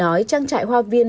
nói trang trại hoa viên